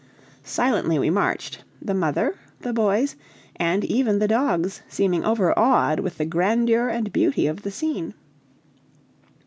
Silently we marched the mother, the boys, and even the dogs seeming overawed with the grandeur and beauty of the scene.